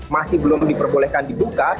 masih belum diperbolehkan dibuka